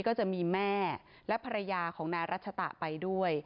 ก็จะมีแม่และภรรยาของนายรัชตะไปด้วย